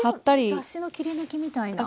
雑誌の切り抜きみたいな。